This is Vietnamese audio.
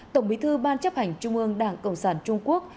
tổng bí thư ban chấp hành trung ương đảng cộng sản trung quốc